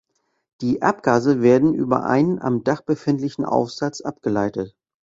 Die Abgase werde über einen am Dach befindlichen Aufsatz abgeleitet.